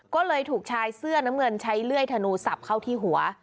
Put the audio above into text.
ก็เลยถูกชายเสื้อน้ำเงินใช้เลื่อยธนูสับเข้าที่หัว